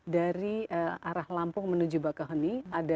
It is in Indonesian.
dari arah lampung menuju bakahuni